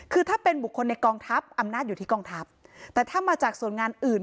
คือถ้าเป็นบุคคลในกองทัพอำนาจอยู่ที่กองทัพแต่ถ้ามาจากส่วนงานอื่น